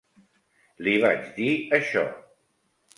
Li vaig dir això.